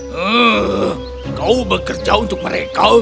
hmm kau bekerja untuk mereka